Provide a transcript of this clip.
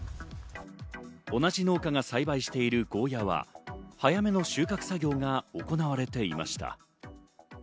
同じ農家が栽培しているゴーヤは早めの収穫作業が行われていました。